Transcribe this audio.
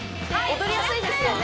踊りやすいですよね